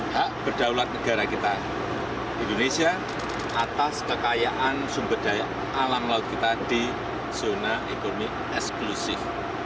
hak berdaulat negara kita indonesia atas kekayaan sumber daya alam laut kita di zona ekonomi eksklusif